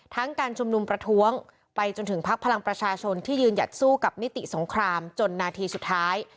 การชุมนุมประท้วงไปจนถึงพักพลังประชาชนที่ยืนหยัดสู้กับนิติสงครามจนนาทีสุดท้าย